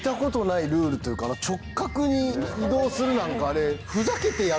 直角に移動するなんか。